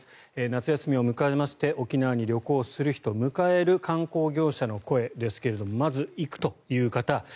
夏休みを迎えまして沖縄に旅行をする人迎える観光業者の声ですけれどもまず行くという方。